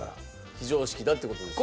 非常識だって事ですね。